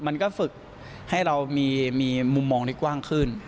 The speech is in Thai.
มันก็ฝึกให้เรามีมุมมองที่กว้างขึ้น